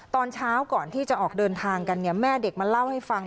ตอนเช้าก่อนที่จะออกเดินทางกันเนี่ยแม่เด็กมาเล่าให้ฟัง